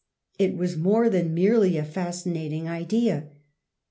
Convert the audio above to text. It was more than merely a fascinating idea.